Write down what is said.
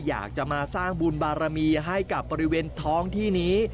อยากจะมาสร้างบุญบารมีให้กับบริเวณท้องที่นี้